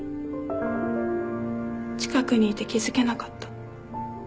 近くにいて気付けなかった。